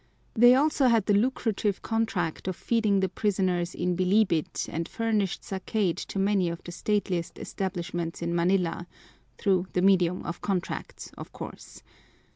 They also had the lucrative contract of feeding the prisoners in Bilibid and furnished zacate to many of the stateliest establishments in Manila u through the medium of contracts, of course.